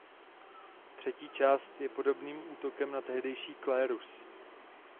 Třetí část je podobným útokem na tehdejší klérus.